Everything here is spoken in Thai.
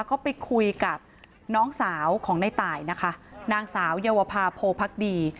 ก็ไปคุยกับน้องสาวของในตายนะคะนางสาวเยาวภาโพพักดี